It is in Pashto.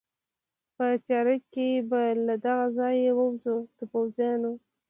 په تېاره کې به له دغه ځایه ووځو، د پوځیانو.